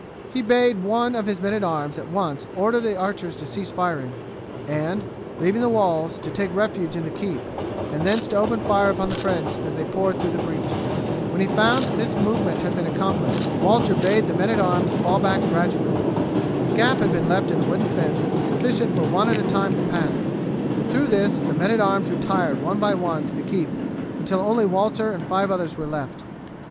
He bade one of his men at arms at once order the archers to cease firing, and, leaving the walls, to take refuge in the keep, and thence to open fire upon the French as they poured through the breach. When he found that this movement had been accomplished Walter bade the men at arms fall back gradually. A gap had been left in the wooden fence sufficient for one at a time to pass, and through this the men at arms retired one by one to the keep until only Walter and five others were left.